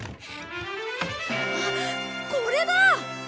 あっこれだ！